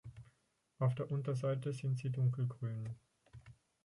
Auf der Unterseite sind sie dunkelgrün.